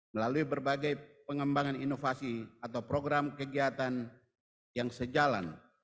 melalui berbagai pengembangan inovasi atau program kegiatan yang sejalan